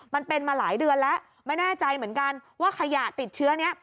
มันเป็นมาหลายเดือนแล้วไม่แน่ใจเหมือนกันว่าขยะติดเชื้อนี้